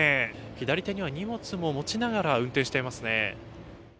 左手には荷物も持ちながら運転していますね。